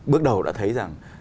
bước đầu đã thấy rằng